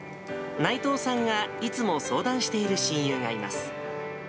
内藤さんがいつも相談している親友がいます。